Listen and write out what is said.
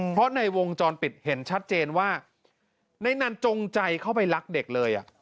เพราะในวงจรปิดเห็นชัดเจนว่าในนั้นจงใจเข้าไปรักเด็กเลย